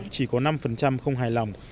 chỉ có năm không hài lòng